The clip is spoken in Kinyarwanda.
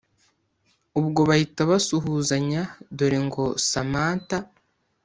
ubwo bahita basuhuzanya dore ngo samantha